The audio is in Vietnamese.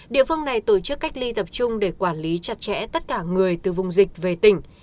địa phương này tổ chức cách ly tập trung để quản lý chặt chẽ tất cả người từ vùng dịch về tỉnh